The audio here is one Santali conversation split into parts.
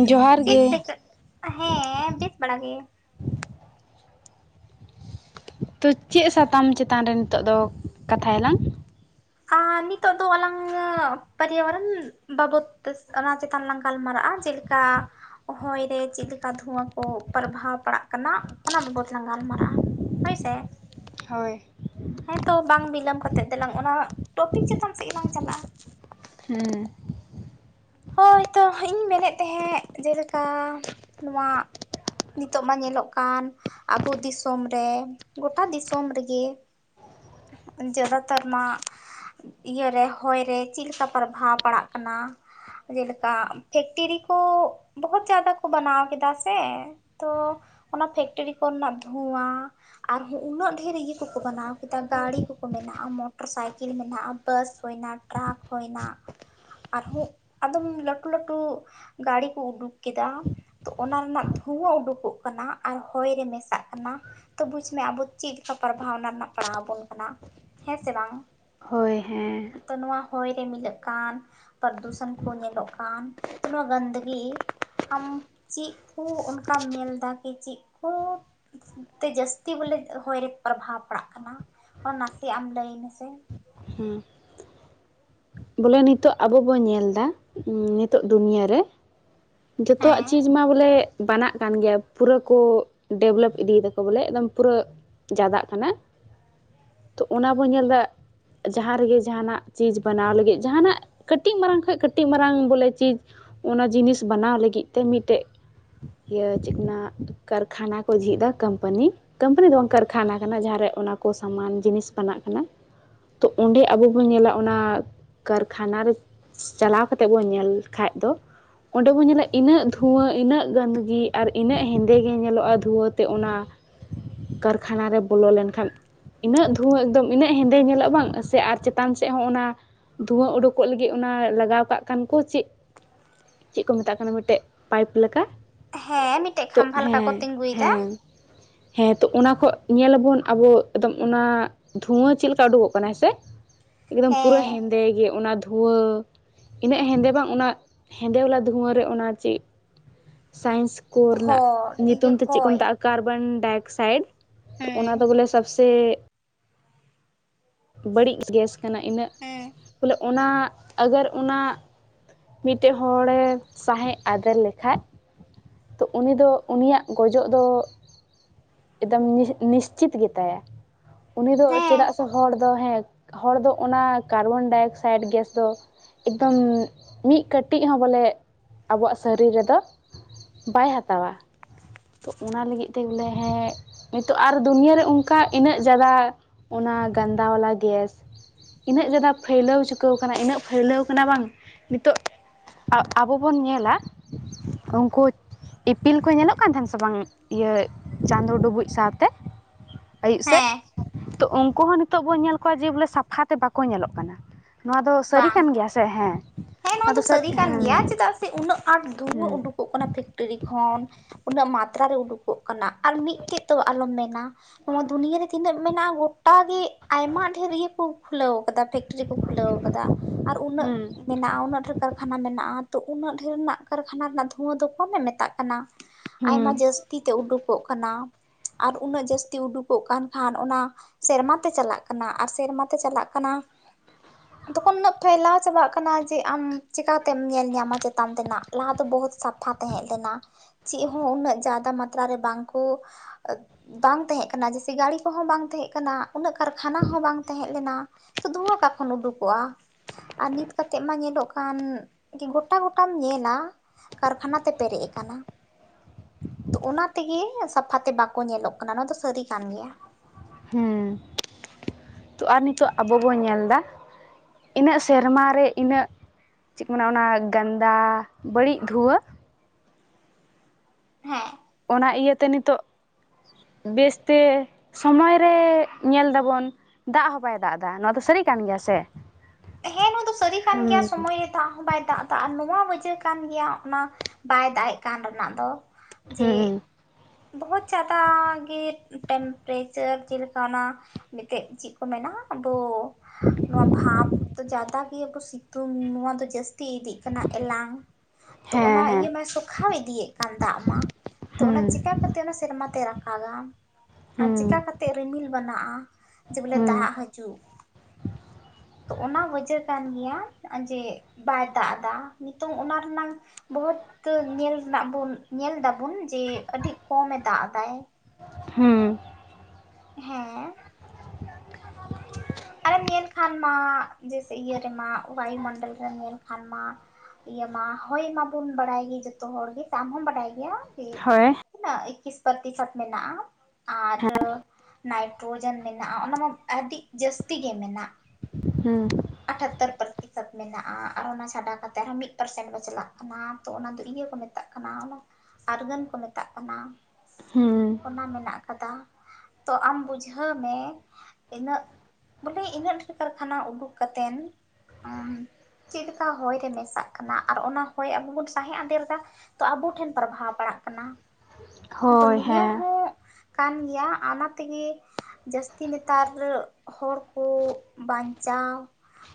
ᱡᱚᱦᱟᱨ ᱜᱮ ᱦᱮᱸ ᱵᱮᱥ ᱵᱟᱲᱟ ᱜᱮ, ᱛᱚ ᱪᱮᱫ ᱥᱟᱛᱟᱢ ᱪᱮᱛᱟᱱ ᱨᱮ ᱱᱤᱛᱚᱜ ᱫᱚ, ᱠᱟᱛᱷᱟᱭ ᱟᱞᱟᱝ? ᱟᱨ ᱱᱤᱛ ᱫᱚ ᱚᱞᱟᱚᱝ ᱯᱚᱨᱭᱟᱵᱚᱨᱚᱱ ᱵᱟᱵᱚᱛ ᱛᱮᱥ ᱚᱱᱟ ᱪᱮᱛᱟᱱ ᱞᱟᱝ ᱜᱟᱞᱢᱟᱨᱟᱜᱼᱟ, ᱪᱮᱞᱮᱠᱟ ᱦᱚᱭ ᱨᱮ ᱪᱮᱫᱞᱮᱠᱟ ᱫᱷᱩᱣᱟᱹ ᱠᱚ ᱯᱟᱨᱵᱷᱟ ᱯᱟᱲᱟᱜ ᱠᱟᱱᱟ, ᱚᱱᱟ ᱵᱟᱵᱚᱫ ᱞᱟᱝ ᱜᱟᱞᱢᱟᱨᱟᱜᱼᱟ᱾ ᱦᱳᱭ ᱥᱮ, ᱦᱳᱭ, ᱛᱚ ᱵᱟᱝ ᱵᱤᱞᱚᱢ ᱠᱟᱛᱮᱫ ᱫᱮᱞᱟᱝ, ᱚᱱᱟ ᱴᱚᱯᱤᱠ ᱪᱮᱛᱟᱱ ᱥᱮᱫ ᱜᱮᱞᱟᱝ ᱪᱟᱞᱟᱜᱼᱟ᱾ ᱦᱩᱸ, ᱦᱳᱭᱛᱚ ᱤᱧ ᱢᱮᱱᱮᱫ ᱛᱮᱦᱮᱸᱫ ᱡᱮᱞᱮᱠᱟ ᱱᱚᱣᱟ, ᱱᱤᱛᱚᱜ ᱢᱟ ᱧᱮᱞᱚᱜ ᱠᱟᱱ ᱟᱵᱚ ᱫᱤᱥᱚᱢ ᱨᱮ, ᱜᱳᱴᱟ ᱫᱤᱥᱚᱢ ᱨᱮᱜᱤ ᱡᱟᱫᱟ ᱛᱟᱨ ᱢᱟ ᱤᱭᱟᱹ ᱨᱮ ᱦᱚᱭ ᱨᱮ ᱪᱤᱫᱞᱮᱠᱟ ᱯᱨᱚᱵᱷᱟᱵᱽ ᱯᱟᱲᱟᱜ ᱠᱟᱱᱟ? ᱡᱮᱞᱮᱠᱟ ᱯᱷᱮᱠᱴᱮᱨᱤ ᱠᱚ ᱵᱚᱦᱚᱛ ᱡᱟᱫᱟ ᱠᱚ ᱵᱟᱱᱟᱣ ᱠᱮᱫᱟ ᱥᱮ, ᱛᱚ ᱚᱱᱟ ᱯᱷᱮᱠᱴᱮᱨᱤ ᱠᱚᱨᱮᱱᱟᱜ ᱫᱷᱩᱣᱟ, ᱟᱨᱦᱚᱸ ᱩᱱᱟᱹᱜ ᱰᱷᱮᱨ ᱤᱭᱟᱹ ᱠᱩᱠᱚ ᱵᱟᱱᱟᱣ ᱠᱮᱫᱟ, ᱜᱟᱹᱲᱤ ᱠᱩᱠᱚ ᱢᱮᱱᱟᱜᱼᱟ ᱢᱚᱴᱚᱨ ᱥᱟᱭᱠᱮᱞ ᱢᱮᱱᱟᱜᱼᱟ, ᱵᱟᱥ ᱦᱩᱭᱱᱟ ᱴᱮᱨᱟᱠ ᱦᱩᱭᱱᱟ ᱟᱨᱦᱚᱸ ᱟᱫᱚᱢ ᱞᱟᱹᱴᱩ ᱞᱟᱹᱴᱩ ᱜᱟᱲᱤ ᱠᱩ ᱩᱰᱩᱠ ᱠᱮᱫᱟ, ᱛᱚ ᱚᱱᱟ ᱨᱮᱱᱟᱜ ᱫᱷᱩᱣᱟᱹ ᱩᱰᱩᱠᱚᱜ ᱠᱟᱱᱟ, ᱟᱨ ᱦᱚᱭ ᱨᱮ ᱢᱮᱥᱟᱜ ᱠᱟᱱᱟ᱾ ᱛᱚ ᱵᱩᱡ ᱢᱮ ᱟᱵᱚ ᱪᱤᱫ ᱞᱮᱠᱟ ᱯᱟᱨᱵᱷᱟᱣᱱᱟ ᱚᱱᱟ ᱱᱟᱜ ᱯᱚᱲᱟᱣ ᱵᱚᱱ ᱠᱟᱱᱟ ᱦᱮᱸ ᱥᱮ ᱵᱟᱝ? ᱦᱳᱭ ᱦᱮᱸ, ᱛᱚ ᱱᱚᱣᱟ ᱦᱚᱭ ᱨᱮ ᱢᱤᱞᱟᱹᱜ ᱠᱟᱱ, ᱯᱚᱨᱫᱩᱥᱟᱹᱱ ᱠᱚ ᱧᱮᱞᱚᱜ ᱠᱟᱱ, ᱛᱚ ᱱᱚᱣᱟ ᱜᱟᱱᱫᱤᱜᱤ ᱟᱢ ᱪᱤᱜ ᱠᱩ ᱚᱱᱠᱟᱢ ᱧᱮᱞ ᱫᱟ ᱠᱤ, ᱪᱤᱜ ᱠᱩ ᱛᱮ ᱡᱟᱹᱥᱛᱤ ᱵᱚᱞᱮ ᱦᱚᱭ ᱨᱮ ᱯᱨᱵᱷᱟᱵᱽ ᱯᱟᱲᱟᱜ ᱠᱟᱱᱟ? ᱚᱱᱟ ᱱᱟᱥᱮ ᱟᱢ ᱞᱟᱹᱭ ᱢᱮᱥᱮ᱾ ᱦᱮᱸ, ᱵᱚᱞᱮ ᱱᱤᱛᱚᱜ ᱟᱵᱚ ᱵᱩᱱ ᱧᱮᱞ ᱫᱟ, ᱱᱤᱛᱚᱜ ᱫᱩᱱᱤᱭᱟᱹ ᱨᱮ, ᱡᱷᱚᱛᱚᱣᱟᱜ ᱦᱮᱸ ᱪᱤᱡ ᱢᱟ ᱵᱚᱞᱮ ᱵᱟᱱᱟᱜ ᱠᱟᱱ ᱜᱮᱭᱟ, ᱯᱩᱨᱟᱹ ᱠᱩ ᱰᱮᱵᱷᱞᱚᱯ ᱤᱫᱤ ᱫᱟᱠᱚ ᱵᱚᱞᱮ ᱮᱠᱫᱚᱢ ᱯᱩᱨᱟᱹ ᱡᱟᱫᱟᱜ ᱠᱟᱱᱟ, ᱛᱚ ᱚᱱᱟ ᱵᱚᱱ ᱧᱮᱞ ᱫᱟ, ᱡᱟᱦᱟᱸ ᱨᱮᱜᱮ ᱡᱟᱦᱟᱸᱱᱟᱜ ᱪᱤᱡ ᱵᱟᱱᱟᱣ ᱞᱟ ᱜᱮᱜ ᱡᱟᱦᱟᱱᱟᱜ, ᱠᱟᱹᱴᱤᱡ ᱢᱟᱨᱟᱝ ᱠᱷᱚᱡ ᱠᱟᱹᱴᱤᱡ ᱢᱟᱨᱟᱝ ᱵᱚᱞᱮ ᱪᱤᱪ ᱚᱱᱟ ᱡᱤᱱᱤᱥ ᱵᱟᱱᱟᱣ ᱞᱟᱹᱜᱤᱫ ᱛᱮ ᱢᱤᱫᱴᱮᱛ ᱤᱭᱟᱹ ᱪᱮᱜ ᱠᱚ ᱢᱮᱱᱟ ᱠᱟᱨᱠᱷᱟᱱᱟ ᱠᱚ ᱡᱷᱤᱡ ᱫᱟ ᱠᱟᱹᱢᱯᱟᱹᱱᱤ᱾ ᱠᱟᱹᱢᱯᱟᱹᱱᱤ ᱫᱚ ᱵᱟᱝ ᱠᱟᱨᱠᱷᱟᱱᱟ ᱠᱟᱱᱟ ᱡᱟᱦᱟᱸᱨᱮ ᱚᱱᱟ ᱠᱩ ᱥᱟᱢᱟᱱ ᱡᱤᱱᱤᱥ ᱵᱟᱱᱟᱜ ᱠᱟᱱᱟ᱾ ᱛᱚ ᱚᱸᱰᱮ ᱟᱵᱚ ᱵᱚᱱ ᱧᱮᱞᱟ ᱚᱱᱟ ᱠᱟᱨᱠᱷᱟᱱᱟ ᱨᱮ ᱪᱟᱞᱟᱣ ᱠᱟᱛᱮᱜ ᱵᱚᱱ ᱧᱮᱞ ᱠᱷᱟᱡ ᱫᱚ ᱚᱸᱰᱮ ᱵᱚᱱ ᱧᱮᱞᱮᱜ ᱤᱱᱟᱹᱜ ᱫᱷᱩᱣᱟᱹ ᱤᱱᱟᱹᱜ ᱜᱟᱹᱱ ᱫᱟᱹᱜᱤ ᱟᱨ ᱤᱱᱟᱹᱜ ᱦᱮᱸᱫᱮ ᱜᱮ ᱧᱮᱞᱚᱜᱼᱟ ᱫᱷᱩᱣᱟᱹ ᱛᱮ ᱚᱱᱟ ᱠᱟᱨᱠᱷᱟᱱᱟ ᱨᱮ ᱵᱚᱞᱚ ᱞᱮᱱᱠᱷᱟᱱ ᱤᱱᱟᱹᱜ ᱫᱷᱩᱣᱟᱹ ᱮᱠᱫᱚᱢ ᱤᱱᱟᱹᱜ ᱦᱮᱸᱫᱮ ᱧᱮᱞᱚᱜ ᱵᱟᱝ ᱥᱮ ᱟᱨ ᱪᱮᱛᱟᱱ ᱥᱮᱜ ᱦᱚᱸ ᱚᱱᱟ ᱫᱷᱩᱣᱟᱹ ᱩᱰᱩᱠᱚᱜ ᱞᱟᱹᱜᱤᱫ ᱚᱱᱟ ᱞᱟᱜᱟᱣ ᱠᱟᱜ ᱠᱷᱟᱱ ᱠᱩ ᱪᱮᱫ? ᱪᱮᱫ ᱠᱚ ᱢᱮᱛᱟᱜ ᱠᱟᱱᱟ ᱢᱮᱴᱮᱜ ᱯᱟᱭᱤᱯ ᱞᱮᱠᱟ᱾ ᱦᱮᱸ ᱢᱤᱫᱴᱮᱱ ᱛᱚ ᱠᱷᱟᱢᱵᱷᱟ ᱞᱮᱠᱟ ᱠᱚ ᱦᱮᱸ ᱛᱤᱧᱜᱩᱭᱫᱟ᱾ ᱦᱮᱸ ᱦᱮᱸ ᱛᱚ ᱚᱱᱟ ᱠᱷᱚᱜ ᱧᱮᱞ ᱟᱵᱚᱱ ᱟᱵᱚ ᱮᱠᱫᱚᱢ ᱚᱱᱟ ᱫᱷᱩᱣᱟᱹ ᱪᱮᱜ ᱞᱮᱠᱟ ᱩᱰᱩᱠᱚᱜ ᱠᱟᱱᱟ ᱦᱮᱸ ᱥᱮ ᱮᱠᱫᱚᱢ ᱯᱩᱨᱟᱹ ᱦᱮᱸ ᱦᱮᱸᱫᱮ ᱜᱮ ᱚᱱᱟ ᱫᱷᱩᱭᱟᱹ᱾ ᱤᱱᱟᱹᱜ ᱦᱮᱸᱫᱮ ᱵᱟᱝ ᱩᱱᱟᱹᱜ ᱦᱮᱸᱫᱮ ᱵᱟᱞᱟ ᱫᱷᱩᱣᱟᱹᱨᱮ ᱚᱱᱟ ᱪᱮᱜ ᱥᱟᱭᱮᱱᱥ᱾ ᱠᱚ ᱦᱚ ᱨᱮᱱᱟᱜ ᱤᱭᱟᱹ ᱧᱩᱛᱩᱢ ᱛᱮ ᱪᱮᱫ ᱠᱚ ᱦᱚᱭ ᱢᱮᱛᱟᱜ ᱠᱟᱨᱵᱚᱱᱰᱟᱭ ᱚᱠᱥᱟᱭᱤᱰ ᱛᱚ ᱚᱱᱟ ᱫᱚ ᱦᱩᱸ ᱵᱚᱞᱮ ᱥᱚᱵᱥᱮ ᱵᱟᱹᱲᱤᱡ ᱜᱮᱥ ᱠᱟᱱᱟ ᱤᱱᱟᱹᱜ ᱦᱩᱸ ᱵᱚᱞᱮ ᱚᱱᱟ ᱟᱜᱚᱨ ᱚᱱᱟ ᱢᱤᱫᱴᱮᱱ ᱦᱚᱲᱮ ᱥᱟᱸᱦᱮᱫ ᱟᱫᱮᱨ ᱞᱮᱠᱷᱟ ᱛᱚ ᱩᱱᱤ ᱫᱚ ᱩᱱᱤᱭᱟᱜ ᱜᱚᱡᱚᱜ ᱫᱚ ᱮᱠᱫᱚᱢ ᱱᱤᱥᱪᱤᱛ ᱜᱮᱛᱟᱭᱟ ᱩᱱᱤ ᱫᱚ ᱦᱮᱸ ᱪᱮᱫᱟᱜ ᱥᱮ ᱦᱚᱲ ᱫᱚ ᱦᱮᱸ ᱦᱚᱲ ᱫᱚ ᱚᱱᱟ ᱠᱟᱨᱵᱚᱱᱰᱟᱭ ᱚᱠᱥᱟᱭᱤᱰ ᱜᱮᱥ ᱫᱚ ᱮᱠᱫᱚᱢ ᱢᱤᱫ ᱠᱟᱹᱴᱤᱡ ᱦᱚᱸ ᱵᱚᱞᱮ ᱟᱵᱣᱟᱜ ᱥᱚᱨᱤᱨ ᱨᱮᱫᱚ ᱵᱟᱭ ᱦᱟᱛᱟᱣᱟ᱾ ᱛᱚ ᱚᱱᱟ ᱞᱟᱹᱜᱤᱫ ᱛᱮ ᱵᱚᱞᱮ ᱦᱮᱸ ᱦᱮᱸ ᱱᱤᱛᱚᱜ ᱟᱨ ᱫᱩᱱᱤᱭᱟᱹᱨᱮ ᱚᱱᱠᱟ ᱤᱱᱟᱹᱜ ᱡᱟᱫᱟ ᱚᱱᱟ ᱜᱟᱱᱫᱟ ᱵᱟᱞᱟ ᱜᱮᱥ᱾ ᱤᱱᱟᱹᱜ ᱯᱷᱟᱹᱭᱞᱟᱹᱣ ᱪᱩᱠᱟᱹᱣ ᱠᱟᱱᱟ ᱤᱱᱟᱹᱜ ᱯᱷᱟᱹᱭᱞᱟᱹᱣ ᱠᱟᱱᱟ ᱵᱟᱝ ᱱᱤᱛᱚᱜ ᱟᱵᱚ ᱵᱚᱱ ᱧᱮᱞᱟ ᱩᱱᱠᱩ ᱤᱯᱤᱞ ᱠᱚ ᱧᱮᱞᱚᱜ ᱠᱟᱱ ᱛᱟᱦᱮᱱ ᱥᱮ ᱥᱮ ᱵᱟᱝ ᱤᱭᱟᱹ ᱪᱟᱸᱫᱳ ᱰᱩᱵᱩᱡ ᱥᱟᱶᱛᱮ ᱟᱹᱭᱩᱵ ᱥᱮᱫ ᱦᱮᱸ ᱛᱚ ᱩᱱᱠᱩ ᱦᱚᱸ ᱱᱤᱛᱚᱜ ᱵᱚᱱ ᱧᱮᱞ ᱠᱚᱣᱟ ᱡᱮ ᱵᱚᱞᱮ ᱥᱟᱯᱷᱟ ᱛᱮ ᱵᱟᱠᱚ ᱧᱮᱞᱚᱜ ᱠᱟᱱᱟ ᱱᱚᱣᱟ ᱫᱚ ᱥᱟᱹᱨᱤ ᱵᱟᱝ ᱠᱟᱱ ᱜᱮᱭᱟ? ᱛᱟᱦᱮᱸ ᱦᱮᱸ᱾ ᱦᱮᱸ ᱱᱚᱣᱟ ᱫᱚ ᱥᱟᱹᱨᱤ ᱠᱟᱱ ᱜᱮᱭᱟ ᱪᱮᱫᱟᱜ ᱥᱮ ᱩᱱᱟᱹᱜ ᱟᱸᱴ ᱫᱩᱲᱟᱹ ᱦᱮᱸ ᱩᱰᱩᱠᱚᱜ ᱠᱟᱱᱟ ᱯᱷᱮᱠᱴᱨᱤ ᱠᱷᱚᱱ ᱩᱱᱟᱹᱜ ᱢᱟᱛᱨᱟ ᱨᱮ ᱩᱰᱩᱠᱚᱜ ᱠᱟᱱᱟ ᱟᱨ ᱢᱤᱫᱴᱮᱡ ᱫᱚ ᱟᱞᱚᱢ ᱢᱮᱱᱟ ᱱᱚᱣᱟ ᱫᱩᱱᱤᱭᱟᱹ ᱨᱮ ᱛᱤᱱᱟᱹᱜ ᱢᱮᱱᱟᱜᱼᱟ ᱜᱚᱴᱟ ᱜᱮ ᱟᱭᱢᱟ ᱰᱷᱮᱨ ᱤᱭᱟᱹ ᱠᱚ ᱠᱷᱩᱞᱟᱹᱣ ᱟᱠᱟᱫᱟ ᱯᱷᱮᱠᱴᱨᱤ ᱠᱚ ᱠᱷᱩᱞᱟᱹᱣ ᱟᱠᱟᱫᱟ ᱟᱨ ᱩᱱᱟᱹᱜ ᱦᱮᱸ ᱢᱮᱱᱟᱜᱼᱟ ᱩᱱᱟᱹᱜ ᱰᱷᱮᱨ ᱠᱟᱨᱠᱷᱟᱱᱟ ᱢᱮᱱᱟᱜᱼᱟ ᱛᱚ ᱩᱱᱟᱹᱜ ᱰᱷᱮᱨ ᱨᱮᱱᱟᱜ ᱠᱟᱨᱠᱷᱟᱱᱟ ᱨᱮᱱᱟᱜ ᱫᱷᱩᱣᱟᱹ ᱫᱚ ᱠᱚᱢᱮ ᱢᱮᱛᱟᱜ ᱠᱟᱱᱟ᱾ ᱦᱮᱸ ᱟᱭᱢᱟ ᱡᱟᱹᱥᱛᱤ ᱛᱮ ᱩᱰᱩᱠᱚᱜ ᱠᱟᱱᱟ᱾ ᱟᱨ ᱩᱱᱟᱹᱜ ᱡᱟᱹᱥᱛᱤ ᱩᱰᱩᱠᱚᱜ ᱠᱟᱱ ᱠᱷᱟᱱ ᱚᱱᱟ ᱥᱮᱨᱢᱟ ᱛᱮ ᱪᱟᱞᱟᱜ ᱠᱟᱱᱟ ᱟᱨ ᱥᱮᱨᱢᱟ ᱛᱮ ᱪᱟᱞᱟᱜ ᱠᱟᱱᱟ ᱛᱚᱠᱷᱚᱱ ᱩᱱᱟᱹᱜ ᱯᱷᱟᱭᱞᱟᱣ ᱪᱟᱵᱟᱜ ᱠᱟᱱᱟ᱾ ᱠᱟᱱᱟ ᱡᱮ ᱟᱢ ᱪᱤᱠᱠᱟᱛᱮᱢ ᱧᱮᱞ ᱧᱟᱢᱟ ᱪᱮᱛᱟᱱ ᱛᱮᱱᱟᱜ ᱞᱟᱦᱟ ᱫᱚ ᱵᱚᱦᱩᱛ ᱥᱟᱯᱷᱟ ᱛᱟᱦᱮᱸ ᱞᱮᱱᱟ᱾ ᱪᱮᱫ ᱦᱚᱸ ᱩᱱᱟᱹᱜ ᱡᱟᱫᱟ ᱢᱟᱛᱨᱟ ᱨᱮ ᱵᱟᱝ ᱠᱚ ᱵᱟᱝ ᱛᱟᱦᱮᱸ ᱠᱟᱱᱟ ᱡᱮ ᱥᱮ ᱜᱟᱹᱲᱤ ᱠᱚ ᱦᱚᱸ ᱵᱟᱝ ᱛᱟᱦᱮᱸ ᱠᱟᱱᱟ᱾ ᱩᱱᱟᱹᱜ ᱠᱟᱨᱠᱷᱟᱱᱟ ᱦᱚᱸ ᱵᱟᱝ ᱛᱟᱦᱮᱸ ᱞᱮᱱᱟ ᱛᱚ ᱫᱷᱩᱦᱟᱹᱠᱟ ᱠᱷᱚᱱ ᱩᱰᱩᱠᱚᱜᱼᱟ ᱟᱨ ᱱᱤᱛ ᱠᱟᱛᱮᱫ ᱢᱟ ᱧᱮᱞᱚᱜ ᱠᱟᱱ ᱡᱮ ᱜᱚᱴᱟ ᱜᱚᱴᱟᱢ ᱧᱮᱞᱟ᱾ ᱠᱟᱨᱠᱷᱟᱱᱟ ᱛᱮ ᱯᱮᱨᱮᱡ ᱟᱠᱟᱱᱟ᱾ ᱛᱚ ᱚᱱᱟ ᱛᱮᱜᱮ ᱥᱟᱯᱷᱟᱛᱮ ᱵᱟᱠᱚ ᱧᱮᱞᱚᱜ ᱠᱟᱱᱟ ᱱᱚᱣᱟ ᱫᱚ ᱥᱟᱹᱨᱤ ᱠᱟᱱ ᱜᱮᱭᱟ᱾ ᱦᱩᱸ ᱛᱚ ᱟᱨ ᱱᱤᱛᱚᱜ ᱟᱵᱚ ᱵᱚᱱ ᱧᱮᱞᱫᱟ᱾ ᱤᱱᱟᱹᱜ ᱥᱮᱨᱢᱟᱨ ᱨᱮ ᱤᱱᱟᱹᱜ ᱪᱮᱫ ᱠᱚ ᱢᱮᱱᱟ ᱚᱱᱟ ᱜᱟᱱᱫᱟ ᱵᱟᱹᱲᱤᱡ ᱫᱷᱩᱣᱟᱹ ᱦᱮᱸ ᱚᱱᱟ ᱤᱭᱟᱹᱛᱮ ᱱᱤᱛᱚᱜ ᱵᱮᱥᱛᱮ ᱥᱚᱢᱚᱭ ᱨᱮ ᱧᱮᱞ ᱫᱟᱵᱚᱱ ᱫᱟᱜ ᱦᱚᱸ ᱵᱟᱭ ᱫᱟᱜ ᱮᱫᱟ ᱱᱚᱣᱟ ᱫᱚ ᱥᱟᱹᱨᱤ ᱠᱟᱱ ᱜᱮᱭᱟ ᱥᱮ᱾ ᱦᱮᱸ ᱱᱚᱣᱟ ᱫᱚ ᱥᱟᱹᱨᱤ ᱠᱟᱱ ᱜᱮᱭᱟ ᱦᱮᱸ ᱥᱚᱢᱚᱭ ᱨᱮ ᱫᱟᱜ ᱦᱚᱸ ᱵᱟᱭ ᱫᱟᱜ ᱮᱫᱟ ᱟᱨ ᱱᱚᱣᱟ ᱵᱩᱡᱮ ᱠᱟᱱ ᱜᱮᱭᱟ ᱚᱱᱟ ᱵᱟᱭ ᱫᱟᱜ ᱮᱜ ᱠᱟᱱ ᱨᱮᱱᱟᱜ ᱫᱚ᱾ ᱡᱮ ᱦᱮᱸ ᱵᱚᱦᱩᱛ ᱡᱟᱫᱟ ᱜᱮ ᱴᱮᱢᱯᱟᱨᱪᱟᱨ ᱪᱮ ᱞᱮᱠᱷᱟ ᱚᱱᱟ ᱢᱤᱫᱴᱮᱡ ᱪᱮᱫ ᱠᱚ ᱢᱮᱱᱟ ᱟᱵᱚ ᱱᱚᱣᱟ ᱵᱷᱟᱵᱽ ᱫᱚ ᱡᱟᱫᱟ ᱜᱮ ᱟᱵᱚ ᱥᱤᱛᱩᱝ ᱱᱚᱣᱟ ᱫᱚ ᱡᱟᱹᱥᱼᱼ ᱛᱤ ᱤᱫᱤᱜ ᱠᱟᱱᱟ ᱮᱞᱟᱝ ᱛᱚ ᱚᱱᱟ ᱦᱮᱸ ᱤᱭᱟᱹ ᱦᱮᱸ ᱢᱟ ᱥᱚ ᱠᱷᱟᱣ ᱤᱫᱤᱭᱮᱫ ᱠᱟᱱ ᱫᱟᱜ ᱢᱟ ᱛᱚ ᱚᱱᱟ ᱦᱮᱸ ᱪᱤᱠᱟ ᱠᱟᱛᱮ ᱚᱱᱟ ᱥᱮᱨᱢᱟ ᱛᱮ ᱨᱟᱠᱟᱟᱜ ᱟᱨ ᱦᱮᱸ ᱪᱤᱠᱟ ᱠᱟᱛᱮ ᱨᱤᱢᱤᱞ ᱵᱮᱱᱟᱜᱼᱟ ᱡᱮ ᱵᱚᱞᱮ ᱦᱮᱸ ᱫᱟᱜ ᱦᱤᱡᱩᱜ ᱛᱚ ᱚᱱᱟ ᱵᱩᱡᱟᱹ ᱠᱟᱱ ᱜᱮᱭᱟ ᱡᱮ ᱵᱟᱭ ᱫᱟᱜ ᱮᱫᱟ ᱱᱤᱛᱚᱝ ᱚᱱᱟ ᱨᱮᱱᱟᱝ ᱵᱚᱦᱩᱛ ᱧᱮᱞ ᱨᱮᱱᱟᱜ ᱵᱩᱱ ᱧᱮᱞ ᱫᱟᱵᱩᱱ ᱡᱮ ᱟᱹᱰᱤ ᱠᱚᱢᱮ ᱫᱟᱜ ᱮᱫᱟᱭ ᱾ ᱦᱩᱸ ᱦᱮᱸ ᱟᱨᱮᱢ ᱧᱮᱞ ᱠᱷᱟᱱ ᱢᱟ ᱡᱮᱭᱥᱮ ᱤᱭᱟᱹ ᱨᱮᱢᱟ ᱵᱟᱭᱳ ᱢᱚᱱᱰᱚᱞ ᱨᱮᱢ ᱧᱮᱞ ᱠᱷᱟᱱ ᱢᱟ ᱤᱭᱟᱹ ᱢᱟ ᱦᱳᱭ ᱢᱟᱵᱚᱱ ᱵᱟᱲᱟᱭ ᱜᱮ ᱡᱚᱛᱚ ᱦᱚᱲ ᱜᱮ ᱟᱢ ᱦᱚᱢ ᱵᱟᱰᱟᱭ ᱜᱮᱭᱟ ᱡᱮ ᱦᱳᱭ ᱛᱤᱱᱟᱹᱜ ᱮᱠᱤᱥ ᱯᱚᱛᱤᱥᱚᱛ ᱢᱮᱱᱟᱜ-ᱟ ᱟᱨ ᱦᱮᱸ ᱱᱟᱭᱴᱨᱳᱚᱡᱮᱱ ᱢᱮᱱᱟᱜ-ᱟ ᱚᱱᱟᱢᱟ ᱟᱹᱰᱤ ᱡᱟᱹᱥᱛᱤ ᱜᱮ ᱢᱮᱱᱟᱜ ᱾ ᱦᱩᱸ ᱟᱴᱟᱛᱚᱨ ᱯᱨᱛᱤᱠ [inaudible] ᱢᱮᱱᱟᱜ-ᱟ ᱟᱨ ᱚᱱᱟ ᱪᱷᱟᱰᱟ ᱠᱟᱛᱮ ᱟᱨᱦᱚᱸ ᱢᱤᱫ ᱯᱟᱨᱥᱮᱱ ᱵᱟᱪᱞᱟᱜ ᱠᱟᱱᱟ ᱛᱚ ᱚᱱᱟ ᱫᱚ ᱤᱭᱟᱹ ᱠᱚ ᱢᱮᱛᱟᱜ ᱠᱟᱱᱟ ᱾ ᱟᱨᱜᱟᱹᱱ ᱠᱚ ᱢᱮᱛᱟᱜ ᱠᱟᱱᱟ ᱦᱩᱸ ᱚᱱᱟ ᱢᱮᱱᱟᱜ ᱠᱟᱫᱟ ᱾ ᱛᱚ ᱟᱢ ᱵᱩᱡᱷᱟᱹᱣ ᱢᱮ ᱤᱱᱟᱹᱜ ᱵᱚᱞᱮ ᱤᱱᱟᱹᱜ ᱰᱷᱮᱨ ᱠᱟᱨᱠᱷᱟᱱᱟ ᱩᱰᱩᱠ ᱠᱟᱛᱮᱱ [inaudible] ᱪᱮᱫ ᱞᱮᱠᱟ ᱦᱚᱭ ᱨᱮ ᱢᱮᱥᱟᱜ ᱠᱟᱱᱟ ᱟᱨ ᱚᱱᱟ ᱦᱚᱭ ᱟᱵᱚ ᱵᱚᱱ ᱥᱟᱦᱮᱸᱫ ᱟᱫᱮᱨ ᱮᱫᱟ ᱾ ᱛᱚ ᱟᱵᱚ ᱴᱷᱮᱱ ᱯᱨᱚᱵᱷᱟᱣ ᱯᱟᱲᱟᱜ ᱠᱟᱱᱟ ᱛᱚ ᱦᱳᱭ ᱱᱤᱭᱟᱹ ᱦᱮᱸ ᱦᱚᱸ ᱠᱟᱱ ᱜᱮᱭᱟ ᱚᱱᱟ ᱛᱮᱜᱮ ᱡᱟᱹᱥᱛᱤ ᱱᱮᱛᱟᱨ ᱦᱚᱲ ᱠᱩ ᱵᱟᱧᱪᱟᱣ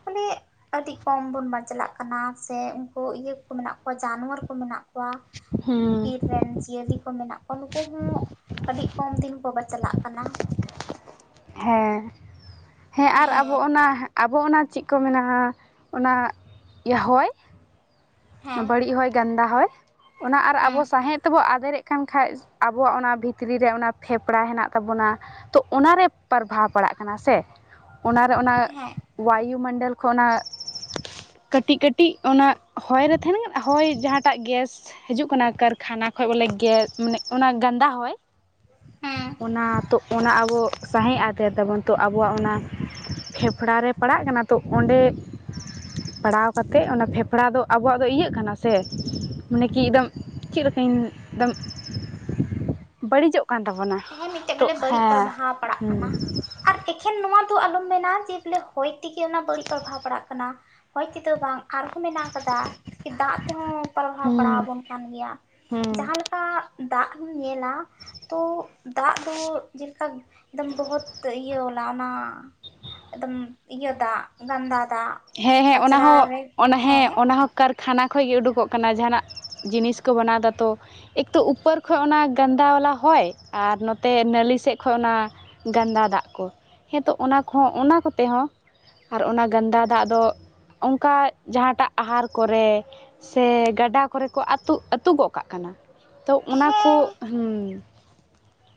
ᱠᱷᱟᱞᱤ ᱟᱹᱰᱤ ᱠᱚᱢ ᱵᱚᱱ ᱵᱟᱪᱞᱟᱜ ᱠᱟᱱᱟ ᱥᱮ ᱩᱱᱠᱩ ᱤᱭᱟᱹ ᱠᱚ ᱢᱮᱱᱟᱜ ᱠᱚᱣᱟ ᱡᱟᱱᱣᱟᱨ ᱠᱚ ᱢᱮᱱᱟᱜ ᱠᱚᱣᱟ ᱾ ᱦᱩᱸ ᱵᱤᱨ ᱨᱮᱱ ᱡᱤᱭᱟᱹᱞᱤ ᱠᱚ ᱢᱮᱱᱟᱜ ᱠᱚᱣᱟ ᱱᱩᱠᱩ ᱦᱚᱸ ᱟᱹᱰᱤ ᱠᱚᱢ ᱫᱤᱱ ᱠᱚ ᱵᱟᱪᱞᱟᱜ ᱠᱟᱱᱟ ᱾ ᱦᱮᱸ ᱦᱮᱸ ᱟᱨ ᱟᱵᱚ ᱚᱱᱟ ᱟᱵᱚ ᱚᱱᱟ ᱪᱮᱫ ᱠᱚ ᱢᱮᱱᱟ ᱚᱱᱟ ᱤᱭᱟᱹ ᱦᱚᱭ ᱦᱮᱸ ᱵᱟᱹᱲᱤᱡ ᱦᱚᱭ ᱜᱟᱱᱫᱟ ᱦᱚᱭ ᱚᱱᱟ ᱟᱨ ᱟᱵᱚ ᱦᱮᱸ ᱥᱟᱦᱮᱫ ᱛᱮᱵᱚ ᱟᱫᱮᱨᱮᱜ ᱠᱟᱱ ᱠᱷᱟᱡ ᱟᱵᱚᱣᱟᱜ ᱚᱱᱟ ᱵᱷᱤᱛᱨᱤ ᱨᱮ ᱚᱱᱟ ᱯᱷᱮᱯᱲᱟ ᱦᱮᱱᱟᱜ ᱛᱟᱵᱚᱱᱟ ᱾ ᱛᱚ ᱚᱱᱟ ᱨᱮ ᱯᱟᱨᱵᱷᱟᱵᱽ ᱯᱟᱲᱟᱜ ᱠᱟᱱᱟ ᱥᱮ ᱚᱱᱟ ᱨᱮ ᱚᱱᱟ ᱦᱮᱸ ᱵᱟᱭᱩ ᱢᱚᱱᱰᱚᱞ ᱠᱷᱚᱱᱟᱜ ᱠᱟᱹᱴᱤᱡ ᱠᱟᱹᱴᱤᱡ ᱚᱱᱟ ᱦᱚᱭ ᱨᱮ ᱛᱟᱦᱮᱱ ᱦᱚᱭ ᱡᱟᱦᱟᱸᱴᱟᱜ ᱜᱮᱥ? ᱦᱤᱡᱩᱜ ᱠᱟᱱᱟ ᱠᱟᱨᱠᱷᱟᱱᱟ ᱠᱷᱚᱡ ᱵᱚᱞᱮ ᱜᱮ ᱢᱟᱱᱮ ᱚᱱᱟ ᱜᱟᱱᱫᱟ ᱦᱚᱭ ᱦᱮᱸ ᱚᱱᱟ ᱛᱚ ᱚᱱᱟ ᱟᱵᱚ ᱥᱟᱦᱮᱫ ᱟᱫᱮᱨ ᱛᱟᱵᱚᱱ ᱛᱚ ᱟᱵᱚᱣᱟᱜ ᱚᱱᱟ ᱯᱷᱮᱯᱷᱲᱟ ᱨᱮ ᱯᱟᱲᱟᱜ ᱠᱟᱱᱟ ᱛᱚ ᱚᱸᱰᱮ ᱯᱟᱲᱟᱣ ᱠᱟᱛᱮᱫ ᱚᱱᱟ ᱯᱷᱮᱯᱲᱟ ᱫᱚ ᱟᱵᱚᱣᱟᱜ ᱫᱚ ᱤᱭᱟᱹᱜ ᱠᱟᱱᱟ ᱥᱮ ᱢᱟᱱᱮ ᱠᱤ ᱮᱠᱫᱚᱢ ᱪᱮᱫ ᱞᱮᱠᱟᱧ ᱮᱠᱫᱚᱢ ᱵᱟᱹᱲᱤᱡᱚᱜ ᱠᱟᱱ ᱛᱟᱵᱚᱱᱟ ᱦᱮᱸ ᱢᱤᱫᱴᱮᱡ ᱛᱚ ᱵᱚᱞᱮ ᱵᱟᱹᱲᱤᱡ ᱦᱮᱸ ᱯᱨᱚᱵᱷᱟᱵᱽ ᱯᱟᱲᱟᱜ ᱦᱩᱸ ᱠᱟᱱᱟ ᱟᱨ ᱮᱠᱷᱮᱱ ᱱᱚᱣᱟ ᱫᱚ ᱟᱞᱚᱢ ᱢᱮᱱᱟ ᱡᱮ ᱵᱚᱞᱮ ᱦᱚᱭ ᱛᱮᱜᱮ ᱚᱱᱟ ᱵᱟᱹᱲᱤᱡ ᱯᱨᱚᱵᱷᱟᱣ ᱯᱟᱲᱟᱜ ᱠᱟᱱᱟ ᱾ ᱦᱚᱭ ᱛᱮᱫᱚ ᱵᱟᱝ ᱟᱨᱦᱚᱸ ᱢᱮᱱᱟᱜ ᱟᱠᱟᱫᱟ ᱫᱟᱜ ᱛᱮᱦᱚᱸ ᱦᱮᱸ ᱯᱚᱨᱵᱷᱟᱣ ᱯᱟᱲᱟᱣ ᱦᱮᱸ ᱟᱵᱚᱱ ᱠᱟᱱ ᱜᱮᱭᱟ ᱡᱟᱦᱟᱸ ᱞᱮᱠᱟ ᱫᱟᱜ ᱦᱚᱢ ᱧᱮᱞᱟ ᱛᱚ ᱫᱟᱜ ᱫᱚ ᱡᱮᱞᱮᱠᱟ ᱮᱠᱫᱚᱢ ᱵᱚᱦᱚᱛ ᱤᱭᱟᱹ ᱚᱱᱟ ᱚᱱᱟ ᱮᱫᱚᱢ ᱤᱭᱟᱹ ᱫᱟᱜ ᱜᱟᱱᱫᱟ ᱫᱟᱜ ᱦᱮᱸ ᱦᱮᱸ ᱚᱱᱟ ᱠᱟᱪᱲᱟ ᱦᱚᱸ ᱨᱮ ᱚᱱᱟ ᱦᱮᱸ ᱚᱱᱟ ᱦᱚᱸ ᱠᱟᱨᱠᱷᱟᱱᱟ ᱠᱷᱚᱡ ᱜᱮ ᱩᱰᱩᱠᱚᱜ ᱠᱟᱱᱟ ᱡᱟᱦᱟᱱᱟᱜ ᱡᱤᱱᱤᱥ ᱠᱚ ᱵᱮᱱᱟᱣ ᱫᱟ ᱛᱚ ᱾ ᱮᱠ ᱛᱚ ᱩᱯᱚᱨ ᱠᱷᱚᱡ ᱚᱱᱟ ᱜᱟᱱᱫᱟ ᱵᱟᱞᱟ ᱦᱚᱭ ᱟᱨ ᱱᱚᱛᱮ ᱱᱟᱹᱞᱤ ᱥᱮᱫ ᱠᱷᱚᱡ ᱚᱱᱟ ᱜᱟᱱᱫᱟ ᱫᱟᱜ ᱠᱚ ᱦᱮᱸ ᱛᱚ ᱚᱱᱟ ᱠᱚᱦᱚᱸ ᱚᱱᱟ ᱠᱚᱛᱮ ᱦᱚᱸ ᱟᱨ ᱚᱱᱟ ᱜᱟᱱᱫᱟ ᱫᱟᱜ ᱫᱚ ᱚᱱᱠᱟ ᱡᱟᱦᱟᱴᱟᱜ ᱟᱦᱟᱨ ᱠᱚᱨᱮ ᱥᱮ ᱜᱟᱰᱟ ᱠᱚᱨᱮ ᱠᱚ ᱟᱹᱛᱩ ᱟᱹᱛᱩ ᱜᱚᱜ ᱠᱟᱜ ᱠᱟᱱᱟ ᱛᱚ ᱚᱱᱟ ᱠᱚ ᱦᱩᱸ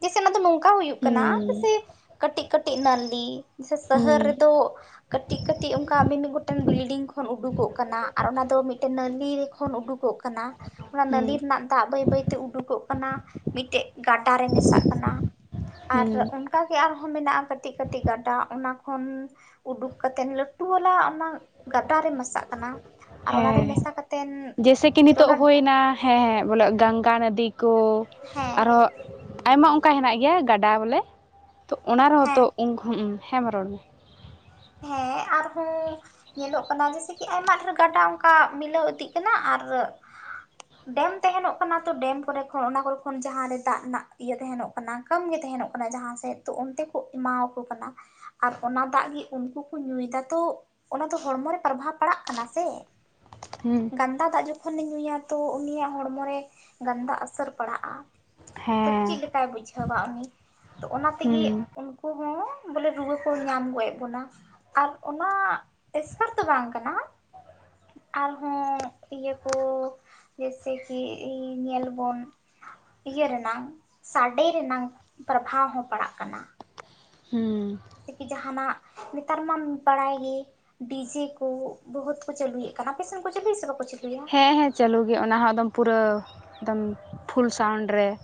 ᱡᱮᱥᱮ ᱚᱱᱟ ᱫᱚ ᱱᱚᱝᱠᱟ ᱦᱩᱭᱩᱜ ᱠᱟᱱᱟ ᱦᱩᱸ ᱡᱮᱥᱮ ᱠᱟᱴᱤᱡ ᱠᱟᱴᱤᱡ ᱱᱟᱞᱤ ᱥᱚᱦᱚᱨ ᱦᱩᱸ ᱨᱮᱫᱚ ᱠᱟᱴᱤᱡ ᱠᱟᱴᱤᱡ ᱚᱱᱠᱟ ᱢᱤ-ᱢᱤᱫ ᱜᱚᱴᱮᱱ ᱵᱤᱞᱰᱤᱝ ᱠᱚ ᱠᱷᱚᱱ ᱩᱰᱩᱠᱚᱜ ᱠᱟᱱᱟ ᱟᱨ ᱚᱱᱟ ᱫᱚ ᱢᱤᱫᱴᱮᱱ ᱱᱟᱹᱞᱤ ᱠᱷᱚᱱ ᱩᱰᱩᱠᱚᱜ ᱠᱟᱱᱟ ᱾ ᱚᱱᱟ ᱦᱩᱸ ᱱᱟᱞᱤ ᱨᱮᱱᱟᱜ ᱫᱟᱜ ᱵᱟᱹᱭ ᱵᱟᱹᱭ ᱛᱮ ᱩᱰᱩᱠᱚᱜ ᱠᱟᱱᱟ ᱢᱤᱫᱴᱮᱡ ᱜᱟᱰᱟ ᱨᱮ ᱢᱮᱥᱟᱜ ᱠᱟᱱᱟ ᱟᱨ ᱦᱩᱸ ᱚᱱᱠᱟᱜᱮ ᱟᱨᱦᱚᱸ ᱢᱮᱱᱟᱜᱼᱟ ᱠᱟᱹᱴᱤᱡ ᱠᱟᱹᱴᱤᱡ ᱜᱟᱰᱟ ᱚᱱᱟ ᱠᱷᱚᱱ ᱩᱰᱩᱠ ᱠᱟᱛᱮᱫ ᱞᱟᱹᱴᱩ ᱵᱟᱞᱟ ᱚᱱᱟ ᱜᱟᱰᱟ ᱨᱮ ᱢᱮᱥᱟᱜ ᱠᱟᱱᱟ ᱟᱨ ᱚᱱᱟᱨᱮ ᱦᱮᱸ ᱢᱮᱥᱟ ᱠᱟᱛᱮᱱ ᱯᱷᱤᱨ ᱚᱱᱟ ᱦᱮᱸ ᱦᱮᱸ ᱵᱚᱞᱮ ᱜᱟᱝᱜᱟ ᱱᱟᱫᱤ ᱠᱚ ᱦᱮᱸ ᱟᱨᱦᱚᱸ ᱟᱭᱢᱟ ᱚᱱᱠᱟ ᱦᱮᱱᱟᱜ ᱜᱮᱭᱟ ᱜᱟᱰᱟ ᱵᱚᱞᱮ ᱛᱚ ᱚᱱᱟ ᱨᱮᱦᱚᱸ ᱦᱮᱸ ᱛᱚ, ᱦᱮᱸᱢᱟ ᱨᱚᱲ ᱢᱮ ᱦᱮᱸ ᱟᱨᱦᱚᱸ ᱧᱮᱞᱚᱜ ᱠᱟᱱᱟ ᱡᱮᱭᱥᱮ ᱠᱤ ᱟᱭᱢᱟ ᱰᱷᱮᱨ ᱜᱟᱰᱟ ᱚᱱᱠᱟ ᱢᱤᱞᱟᱹᱣ ᱤᱫᱤᱜ ᱠᱟᱱᱟ ᱟᱨ ᱰᱮᱢ ᱛᱟᱦᱮᱱᱚᱜ ᱠᱟᱱᱟ ᱛᱚ ᱰᱮᱢ ᱠᱚᱨᱮ ᱠᱷᱚᱱ ᱚᱱᱟ ᱠᱚᱨᱮ ᱠᱷᱚᱱ ᱡᱟᱦᱟᱸᱨᱮ ᱫᱟᱜ ᱨᱮᱱᱟᱜ ᱤᱭᱟᱹ ᱛᱟᱦᱮᱱᱚᱜ ᱠᱟᱱᱟ ᱠᱟᱱᱟ ᱠᱚᱢ ᱜᱮ ᱛᱟᱦᱮᱱᱚᱜ ᱠᱟᱱᱟ ᱡᱟᱦᱟᱸ ᱥᱮᱫ ᱛᱚ ᱚᱱᱛᱮ ᱠᱚ ᱮᱢᱟᱣᱠᱚ ᱠᱟᱱᱟ ᱟᱨ ᱚᱱᱟ ᱫᱟᱜ ᱜᱮ ᱩᱱᱠᱩ ᱠᱚ ᱧᱩᱭᱮᱫᱟ ᱛᱚ ᱚᱱᱟ ᱫᱚ ᱦᱚᱲᱢᱚ ᱨᱮ ᱯᱨᱚᱵᱷᱟᱵᱽ ᱯᱟᱲᱟᱜ ᱠᱟᱱᱟ ᱥᱮ ᱦᱩᱸ ᱜᱟᱱᱫᱟ ᱫᱟᱜ ᱡᱚᱠᱷᱚᱱᱮ ᱧᱩᱭᱟ ᱛᱚ ᱩᱱᱤᱭᱟᱜ ᱦᱚᱲᱢᱚ ᱨᱮ ᱜᱟᱱᱫᱟ ᱮᱥᱟᱹᱨ ᱯᱟᱲᱟᱜᱼᱟ ᱾ ᱛᱚ ᱦᱮᱸ ᱪᱮᱫ ᱞᱮᱠᱟᱭ ᱵᱩᱡᱷᱟᱹᱣᱟ ᱩᱱᱤ ᱛᱚ ᱚᱱᱟ ᱛᱮᱜᱮ ᱦᱩᱸ [inaudible] ᱵᱚᱞᱮ ᱨᱩᱣᱟᱹ ᱠᱚ ᱧᱟᱢ ᱜᱚᱜ ᱮᱫ ᱵᱚᱱᱟ ᱾ ᱟᱨ ᱚᱱᱟ ᱮᱥᱠᱟᱨ ᱫᱚ ᱵᱟᱝ ᱠᱟᱱᱟ ᱟᱨᱦᱚᱸ ᱤᱭᱟᱹ ᱠᱚ ᱡᱮᱭᱥᱮ ᱠᱤ ᱧᱮᱞ ᱵᱚᱱ ᱤᱭᱟᱹ ᱨᱮᱱᱟᱝ ᱥᱟᱰᱮ ᱨᱮᱱᱟᱝ ᱯᱚᱨᱵᱷᱟᱣ ᱦᱚᱸ ᱯᱟᱲᱟᱜ ᱠᱟᱱᱟ ᱾ ᱦᱮᱸ ᱡᱮᱭᱥᱮ ᱠᱤ ᱡᱟᱦᱟᱱᱟᱜ ᱱᱮᱛᱟᱨ ᱢᱟᱢ ᱵᱟᱲᱟᱭ ᱜᱮ ᱰᱤᱡᱮ ᱠᱚ ᱵᱚᱦᱩᱛ ᱠᱚ ᱪᱟᱹᱞᱩᱭᱮᱫ ᱠᱟᱱᱟ ᱟᱯᱮᱥᱮᱱ ᱠᱚ ᱪᱟᱹᱞᱩᱭᱟ ᱥᱮ ᱵᱟᱠᱚ ᱪᱟᱹᱞᱩᱭᱟ? ᱦᱮᱸ ᱦᱮᱸ ᱪᱟᱹᱞᱩ ᱜᱮ ᱚᱱᱟ ᱦᱚᱸ ᱮᱠᱫᱚᱢ ᱯᱩᱨᱟᱹ ᱮᱠᱫᱚᱢ ᱯᱷᱩᱞ ᱥᱟᱣᱩᱱᱰ ᱨᱮ ᱾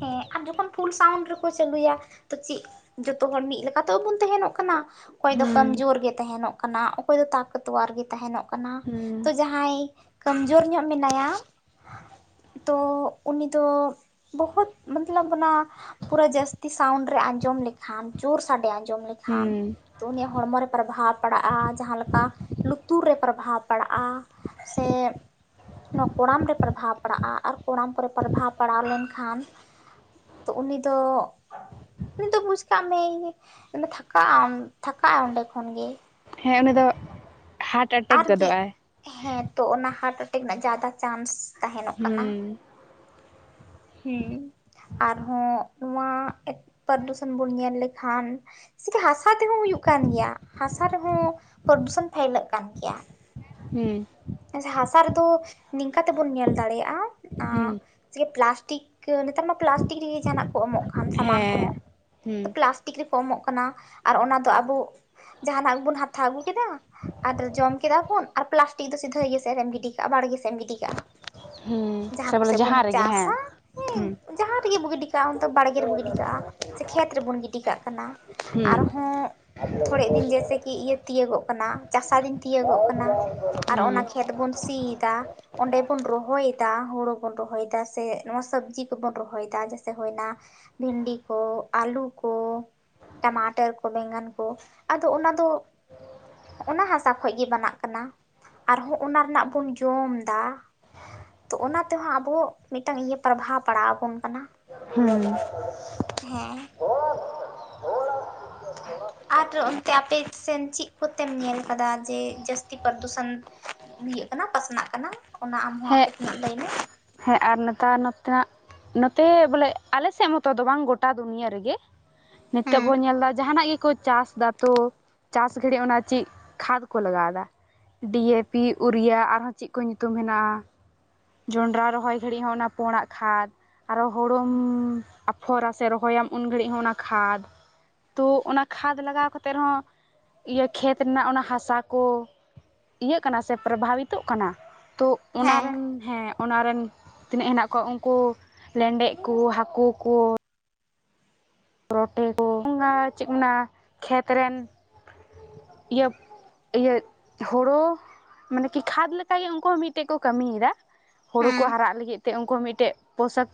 ᱦᱮᱸ ᱟᱨ ᱡᱚᱠᱷᱚᱱ ᱯᱷᱩᱞ ᱥᱟᱣᱩᱱᱰ ᱨᱮᱠᱚ ᱪᱟᱹᱞᱩᱭᱟ ᱛᱚ ᱪᱮᱫ ᱡᱚᱛᱚ ᱦᱚᱲ ᱢᱤᱫ ᱞᱮᱠᱟᱛᱚ ᱵᱟᱵᱚᱱ ᱛᱟᱦᱮᱱᱚᱜ ᱠᱟᱱᱟ ᱾ ᱚᱠᱚᱭ ᱫᱚ ᱠᱚᱢ ᱦᱩᱸ ᱡᱳᱨ ᱜᱮ ᱛᱟᱦᱮᱱᱚᱜ ᱠᱟᱱᱟ ᱚᱠᱚᱭ ᱫᱚ ᱛᱟᱠ ᱛᱣᱟᱨ ᱜᱮ ᱛᱟᱦᱮᱱᱚᱜ ᱠᱟᱱᱟ ᱛᱚ ᱦᱩᱸ ᱡᱟᱸᱦᱟᱭ ᱠᱟᱢᱡᱳᱨ ᱧᱚᱜ ᱢᱮᱱᱟᱭᱟ ᱛᱚ ᱩᱱᱤᱫᱚ ᱵᱚᱦᱩᱛ ᱢᱚᱛᱞᱚᱵ ᱚᱱᱟ ᱯᱩᱨᱟᱹ ᱡᱟᱹᱥᱛᱤ ᱥᱟᱣᱩᱱᱰ ᱨᱮ ᱟᱸᱡᱚᱢ ᱞᱮᱠᱷᱟᱱ ᱡᱳᱨ ᱥᱟᱰᱮ ᱟᱸ ᱡᱚᱢ ᱞᱮᱠᱷᱟᱱ ᱦᱩᱸ ᱛᱚ ᱩᱱᱤᱭᱟᱜ ᱦᱚᱲᱢᱚ ᱨᱮ ᱯᱨᱟᱵᱷᱟᱵᱽ ᱯᱟᱲᱟᱜ-ᱟ ᱡᱟᱦᱟᱸ ᱞᱮᱠᱟ ᱞᱩᱛᱩᱨ ᱨᱮ ᱯᱨᱟᱵᱷᱟᱵᱽ ᱯᱟᱲᱟᱜ-ᱟ, ᱥᱮ ᱚᱱᱟ ᱠᱚᱲᱟᱢ ᱨᱮ ᱯᱟᱨᱵᱷᱟᱣ ᱯᱟᱲᱟᱜ-ᱟ ᱟᱨ ᱠᱚᱲᱟᱢ ᱠᱚᱨᱮ ᱯᱟᱨᱵᱷᱟᱣ ᱯᱟᱲᱟᱣ ᱞᱮᱱ ᱠᱷᱟᱱ ᱛᱚ ᱩᱱᱤ ᱫᱚ ᱩᱱᱤ ᱫᱚ ᱵᱩᱡᱽ ᱠᱟᱜ ᱢᱮ ᱛᱷᱟᱠᱟᱜ ᱟᱢ ᱛᱷᱟᱠᱟᱜ-ᱟᱭ ᱚᱸᱰᱮ ᱠᱷᱚᱱ ᱜᱮ᱾ ᱦᱮᱸ ᱩᱱᱤ ᱫᱚ ᱦᱟᱴ ᱟᱨᱜᱮ ᱦᱮᱸ ᱛᱚ ᱚᱱᱟ ᱦᱟᱨᱴ ᱮᱴᱮᱠ ᱨᱮᱱᱟᱜ ᱡᱟᱫᱟ ᱪᱟᱱᱥ ᱛᱟᱦᱮᱱᱚᱜ ᱠᱟᱱᱟ᱾ ᱦᱩᱸ ᱦᱮᱸ ᱟᱨᱦᱚᱸ ᱱᱚᱣᱟ ᱯᱟᱨᱫᱩᱥᱚᱱ ᱵᱚᱱ ᱧᱮᱞ ᱞᱮᱠᱷᱟᱱ ᱪᱮᱠᱟ ᱦᱟᱥᱟ ᱛᱮᱦᱚᱸ ᱦᱩᱭᱩᱜ ᱠᱟᱱ ᱜᱮᱭᱟ ᱦᱟᱥᱟ ᱨᱮᱦᱚᱸ ᱯᱟᱨᱫᱩᱥᱚᱱ ᱯᱷᱮᱭᱞᱟᱜ ᱠᱟᱱ ᱜᱮᱭᱟ᱾ ᱦᱩᱸ ᱦᱟᱥᱟ ᱨᱮᱫᱚ ᱱᱤᱝᱠᱟ ᱛᱮᱵᱚᱱ ᱧᱮᱞ ᱫᱟᱲᱮᱭᱟᱜ-ᱟ ᱮ ᱦᱩᱸ ᱪᱮ ᱯᱞᱟᱥᱴᱤᱠ ᱱᱮᱛᱟᱨ ᱢᱟ ᱯᱞᱟᱥᱴᱤᱠ ᱨᱮᱜᱮ ᱡᱟᱦᱟᱱᱟᱜ ᱠᱚ ᱮᱢᱚᱜ ᱠᱟᱱ ᱥᱟᱢᱟᱱ ᱦᱮᱸ ᱠᱚᱦᱚᱸ, ᱦᱩᱸ ᱯᱞᱟᱥᱴᱤᱠ ᱨᱮᱠᱚ ᱮᱢᱚᱜ ᱠᱟᱱᱟ ᱟᱨ ᱚᱱᱟ ᱫᱚ ᱟᱵᱚ ᱡᱟᱦᱱᱟᱜ ᱜᱮ ᱵᱩᱱ ᱦᱟᱛᱷᱟᱣ ᱟᱹᱜᱩ ᱠᱮᱫᱟ ᱟᱨ ᱡᱚᱢ ᱠᱮᱫᱟ ᱵᱩᱱ ᱟᱨ ᱯᱞᱟᱥᱴᱤᱠ ᱫᱚ ᱥᱤᱫᱷᱟᱹ ᱤᱭᱟᱹ ᱥᱮᱫ ᱨᱮᱢ ᱜᱤᱰᱤ ᱠᱟᱜ-ᱟ ᱵᱟᱲᱜᱮ ᱥᱮᱫ ᱮᱢ ᱜᱤᱰᱤ ᱠᱟᱜ-ᱟ᱾ ᱦᱩᱸ ᱡᱟᱦᱟᱸ ᱥᱮ ᱵᱚᱞᱮ ᱠᱚᱥᱮᱜ ᱵᱚᱱ ᱨᱮᱜᱮ ᱦᱮᱸ ᱪᱟᱥᱟ ᱦᱩᱸ ᱦᱮᱸ ᱡᱟᱦᱟᱸ ᱨᱮᱜᱮ ᱵᱚ ᱜᱤᱰᱤ ᱠᱟᱜ-ᱟ ᱚᱱᱛᱮ ᱵᱟᱲᱜᱮ ᱨᱮᱵᱚ ᱜᱤᱰᱤ ᱠᱟᱜ-ᱟ ᱥᱮ ᱠᱷᱮᱛ ᱨᱮᱵᱚᱱ ᱜᱤᱰᱤ ᱠᱟᱜ ᱠᱟᱱᱟ᱾ ᱦᱩᱸ ᱟᱨᱦᱚᱸ ᱛᱷᱚᱲᱮ ᱫᱤᱱ ᱡᱮᱭᱥᱮ ᱠᱤ ᱤᱭᱟᱹ ᱛᱤᱭᱳᱜᱚᱜ ᱠᱟᱱᱟ ᱪᱟᱥᱟ ᱫᱤᱱ ᱛᱤᱭᱳᱜᱚᱜ ᱠᱟᱱᱟ ᱟᱨ ᱦᱩᱸ ᱚᱱᱟ ᱠᱷᱮᱛ ᱵᱚᱱ ᱥᱤᱭᱮᱫᱟ, ᱚᱸᱰᱮ ᱵᱚᱱ ᱨᱚᱦᱚᱭᱮᱫᱟ ᱦᱳᱲᱳ ᱵᱚᱱ ᱨᱚᱦᱚᱭᱫᱟ ᱥᱮ ᱱᱚᱣᱟ ᱥᱚᱵᱽᱡᱤ ᱠᱚᱵᱚᱱ ᱨᱚᱦᱚᱭ ᱫᱟ ᱡᱮᱭᱥᱮ ᱦᱳᱭᱱᱟ ᱵᱷᱤᱱᱰᱤ ᱠᱚ ᱟᱹᱞᱩ ᱠᱚ ᱴᱟᱢᱟᱴᱟᱨ ᱠᱚ ᱵᱮᱸᱜᱟᱱ ᱠᱚ ᱟᱫᱚ ᱚᱱᱟ ᱫᱚ ᱚᱱᱟ ᱦᱟᱥᱟ ᱠᱷᱚᱡ ᱜᱮ ᱵᱮᱱᱟᱜ ᱠᱟᱱᱟ᱾ ᱟᱨᱦᱚᱸ ᱚᱱᱟ ᱨᱮᱱᱟᱜ ᱵᱚᱱ ᱡᱚᱢ ᱫᱟ ᱛᱚ ᱚᱱᱟ ᱛᱮᱦᱚᱸ ᱟᱵᱚ ᱢᱤᱜᱴᱟᱝ ᱤᱭᱟᱹ ᱯᱚᱨᱵᱷᱟᱵᱽ ᱯᱟᱲᱟᱣ ᱵᱚᱱ ᱠᱟᱱᱟ᱾ ᱦᱩᱸ ᱦᱮᱸ᱾ ᱟᱨ ᱚᱱᱛᱮ ᱟᱯᱮ ᱥᱮᱱ ᱪᱮᱜ ᱠᱚᱛᱮᱢ ᱧᱮᱞ ᱠᱟᱫᱟ ᱡᱮ ᱡᱟᱹᱥᱛᱤ ᱯᱟᱨᱫᱩᱥᱚᱱ ᱤᱭᱟᱹᱜ ᱠᱟᱱᱟ ᱯᱟᱥᱱᱟᱜ ᱠᱟᱱᱟ ᱚᱱᱟ ᱟᱢᱦᱚᱸ ᱟᱯᱮ ᱦᱮᱸ ᱥᱮᱱᱟᱜ ᱞᱟᱹᱭ ᱢᱮ? ᱦᱮᱸ ᱟᱨ ᱱᱮᱛᱟᱨ ᱱᱚᱛᱮᱱᱟᱜ ᱱᱚᱛᱮ ᱵᱚᱞᱮ ᱟᱞᱮᱥᱮᱫ ᱢᱚᱛᱚ ᱫᱚ ᱵᱟᱝ ᱜᱚᱴᱟ ᱫᱩᱱᱤᱭᱟᱹᱟᱹ ᱨᱮᱜᱮ, ᱱᱤᱛᱳᱜ ᱦᱮᱸ ᱵᱚᱱ ᱧᱮᱞᱫᱟ ᱡᱟᱦᱱᱟᱜ ᱜᱮ ᱠᱚ ᱪᱟᱥ ᱫᱟ ᱛᱚ ᱪᱟᱥ ᱜᱷᱟᱹᱲᱤᱡ ᱚᱱᱟ ᱪᱮᱜ ᱠᱷᱟᱫᱽ ᱠᱚ ᱞᱟᱜᱟᱣᱫᱟ, ᱰᱤᱭᱮ ᱯᱤ, ᱩᱨᱤᱭᱟ ᱟᱨᱦᱚᱸ ᱪᱮᱜ ᱠᱚ ᱧᱩᱛᱩᱢ ᱦᱮᱱᱟᱜ-ᱟ ᱡᱚᱱᱰᱨᱟ ᱨᱚᱦᱚᱭ ᱜᱷᱟᱹᱲᱤᱡ ᱦᱚᱸ ᱚᱱᱟ ᱯᱳᱲᱟᱜ ᱠᱷᱟᱫᱽ ᱟᱨᱚ ᱦᱩᱲᱩᱢ ᱟᱯᱷᱚᱨᱟ ᱥᱮ ᱨᱚᱦᱚᱭᱟᱢ ᱩᱱ ᱜᱷᱟᱹᱲᱤᱡ ᱦᱚᱸ ᱚᱱᱟ ᱠᱷᱟᱫᱽ ᱛᱩ ᱚᱱᱟ ᱠᱷᱟᱫᱽ ᱞᱟᱜᱟᱣ ᱠᱟᱛᱮᱜ ᱨᱮᱦᱚᱸ ᱤᱭᱟᱹ ᱠᱷᱮᱛ ᱨᱮᱱᱟᱜ ᱚᱱᱟ ᱦᱟᱥᱟ ᱠᱚ ᱤᱭᱟᱹᱜ ᱠᱟᱱᱟ ᱥᱮ ᱯᱨᱚᱵᱷᱟᱵᱤᱛᱚᱜ ᱠᱟᱱᱟ ᱛᱚ ᱚᱱᱟ ᱦᱮᱸ ᱨᱮᱱ ᱦᱮᱸ ᱚᱱᱟ ᱨᱮᱱ ᱛᱤᱱᱟᱹᱜ ᱦᱮᱱᱟᱜ ᱠᱚᱣᱟ ᱩᱝᱠᱩ ᱞᱮᱸᱰᱮᱫ ᱠᱩ ᱦᱟᱹᱠᱩ ᱠᱚ ᱨᱚᱴᱮ ᱠᱚ ᱪᱮᱫ ᱠᱚ ᱢᱮᱱᱟ ᱠᱷᱮᱛ ᱨᱮᱱ ᱤᱭᱟᱹ ᱤᱭᱟᱹ ᱦᱳᱲᱳ ᱢᱟᱱᱮ ᱠᱤ ᱠᱷᱟᱫᱽ ᱞᱮᱠᱟᱜᱮ ᱩᱱᱠᱩ ᱦᱚᱸ ᱢᱤᱫᱴᱮᱜ ᱠᱚ ᱠᱟᱹᱢᱤᱭᱮᱫᱟ᱾ ᱦᱳᱲᱳ ᱦᱮᱸ ᱠᱚ ᱦᱟᱨᱟᱜ ᱞᱟᱹᱜᱤᱫ ᱛᱮ ᱩᱝᱠᱩ ᱢᱤᱫ ᱴᱮᱜ ᱯᱳᱥᱟᱠ